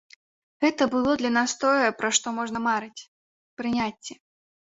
Гэта было для нас тое, пра што можна марыць,— прыняцце!